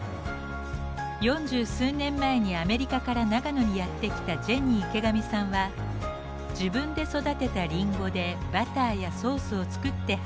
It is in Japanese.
四十数年前にアメリカから長野にやって来たジェニー池上さんは自分で育てたリンゴでバターやソースを作って販売。